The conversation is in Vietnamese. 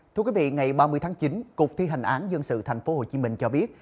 thưa quý vị ngày ba mươi tháng chín cục thi hành án dân sự thành phố hồ chí minh cho biết